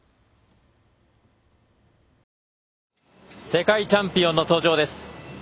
世界チャンピオンの登場です。